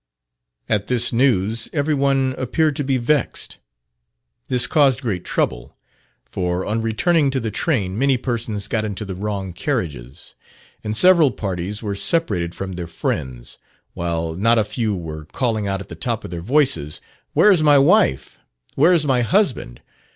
At this news every one appeared to be vexed. This caused great trouble; for on returning to the train many persons got into the wrong carriages; and several parties were separated from their friends, while not a few were calling out at the top of their voices, "Where is my wife? Where is my husband?